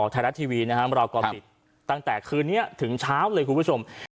ไทยรัฐทีวีนะครับเราก็ติดตั้งแต่คืนนี้ถึงเช้าเลยคุณผู้ชม